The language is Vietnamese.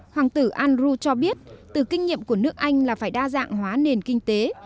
hoàng tử androu cho biết từ kinh nghiệm của nước anh là phải đa dạng hóa nền kinh tế